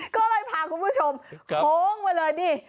ก็เลยพาคุณผู้ชมโค้งไปเลยดิ